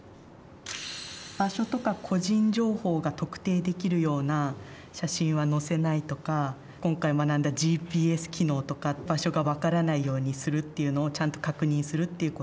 場所とか個人情報が特定できるような写真はのせないとか今回学んだＧＰＳ機能とか場所が分からないようにするっていうのをちゃんと確認するっていうこと。